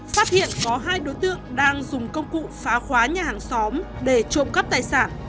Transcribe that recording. phát hiện có hai đối tượng đang dùng công cụ phá khóa nhà hàng xóm để trộm cắp tài sản